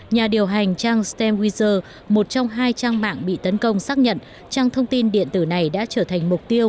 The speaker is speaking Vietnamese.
nhà điều hành trang stem weizer một trong hai trang mạng bị tấn công xác nhận trang thông tin điện tử này đã trở thành mục tiêu